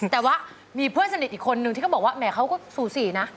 แต่ว่ามีเพื่อนสนิทอีกคนนึงที่เขาบอกว่าแหมเขาก็สูสีนะ